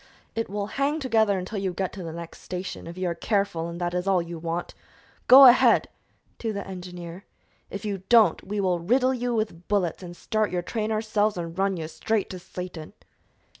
"It will hang together until you get to the next station, if you are careful, and that is all you want. Go ahead!" to the engineer. "If you don't, we will riddle you with bullets and start your train ourselves and run you straight to Satan!"